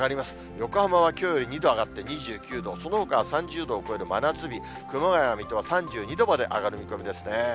横浜はきょうより２度上がって２９度、そのほかは３０度を超える真夏日、熊谷、水戸は３２度まで上がる見込みですね。